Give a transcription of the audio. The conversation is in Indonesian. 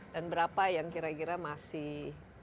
dan berapa yang kira kira masih